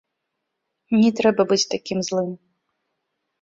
Не трэба быць такім злым.